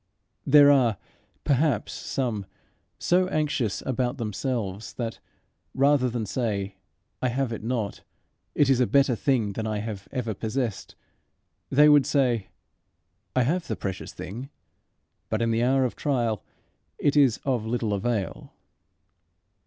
There are, perhaps, some so anxious about themselves that, rather than say, "I have it not: it is a better thing than I have ever possessed," they would say, "I have the precious thing, but in the hour of trial it is of little avail."